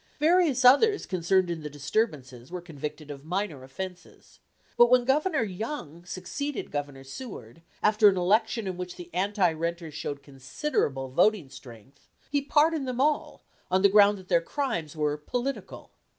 Various others concerned in the disturbances were convicted of minor offences, but when Governor Young succeeded Governor Seward after an election in which the anti renters showed considerable voting strength, he pardoned them all on the ground that their crimes were political.